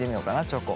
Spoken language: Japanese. チョコ。